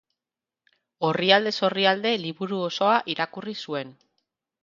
Orrialdez orrialde liburu osoa irakurri zuen.